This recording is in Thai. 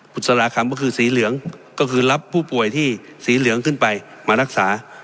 บุษราคำก็คือสีเหลืองก็คือรับผู้ป่วยที่สีเหลืองขึ้นไปมารักษา